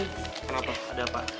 kenapa ada apa